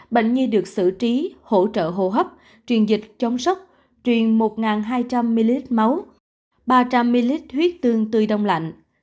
bệnh nhi được xử trí hỗ trợ hô hấp truyền dịch chống sốc truyền một hai trăm linh ml máu ba trăm linh ml huyết tương tươi đông lạnh